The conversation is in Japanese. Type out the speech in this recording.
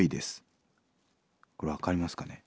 これ分かりますかね。